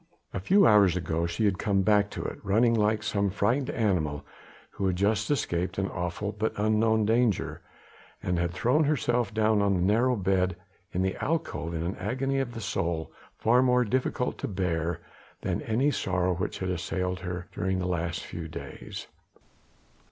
A few hours ago she had come back to it, running like some frightened animal who had just escaped an awful but unknown danger, and had thrown herself down on the narrow bed in the alcove in an agony of soul far more difficult to bear than any sorrow which had assailed her during the last few days.